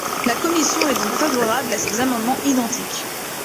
La commission est donc favorable à ces amendements identiques.